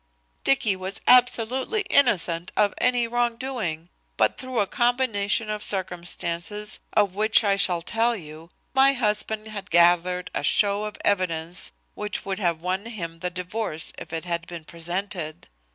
"Dicky was absolutely innocent of any wrongdoing, but through a combination of circumstances of which I shall tell you, my husband had gathered a show of evidence which would have won him the divorce if it had been presented."